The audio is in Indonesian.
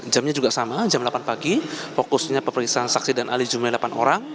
jamnya juga sama jam delapan pagi fokusnya pemeriksaan saksi dan alih jumlahnya delapan orang